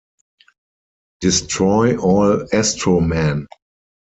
Destroy All Astromen!